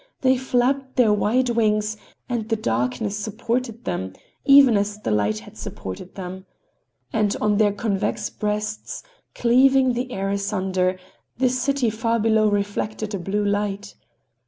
They flapped their wide wings and the darkness supported them, even as the light had supported them. And on their convex breasts, cleaving the air asunder, the city far below reflected a blue light.